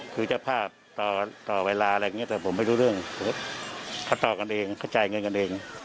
คือเจ้าภาพต่อเวลาอะไรอย่างนี้แต่ผมไม่รู้เรื่องสมมุติเขาต่อกันเองเขาจ่ายเงินกันเอง